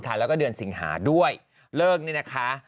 เก่งเก่งเก่งเก่งเก่งเก่ง